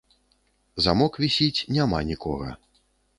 Замок вісіць, няма нікога.